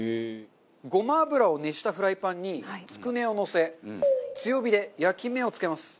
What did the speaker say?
ごま油を熱したフライパンにつくねをのせ強火で焼き目をつけます。